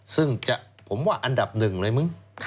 ซึ่งผมว่าอันดับหนึ่งเลยมึง